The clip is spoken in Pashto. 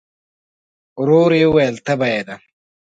ورو يې وویل: تبه يې ده؟